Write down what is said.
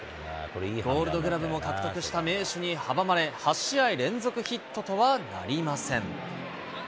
ゴールドグラブも獲得した名手に阻まれ、８試合連続ヒットとはなりません。